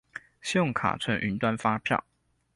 信用卡存雲端發票